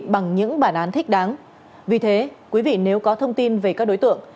bằng những bản án thích đáng vì thế quý vị nếu có thông tin về các đối tượng